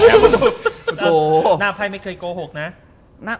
หน้าไพ่ไม่เคยโกหกนะ